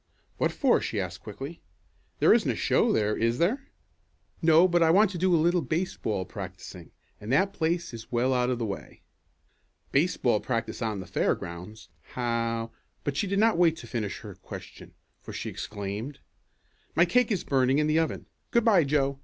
"What for?" she asked quickly. "There isn't a show there, is there?" "No, but I want to do a little baseball practicing, and that place is well out of the way." "Baseball practice on the fairgrounds. How " But she did not wait to finish her question for she exclaimed: "My cake is burning in the oven. Good bye, Joe!"